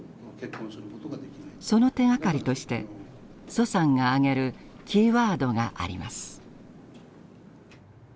その手がかりとして徐さんが挙げるキーワードがあります。